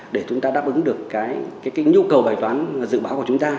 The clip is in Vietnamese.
để chúng ta đáp ứng được cái nhu cầu bài toán dự báo của chúng ta